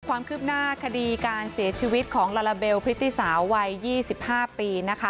ความคืบหน้าคดีการเสียชีวิตของลาลาเบลพริตตี้สาววัย๒๕ปีนะคะ